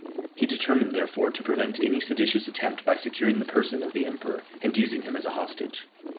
He determined, therefore, to prevent any seditious attempt by securing the person of the emperor, and using him as a hostage.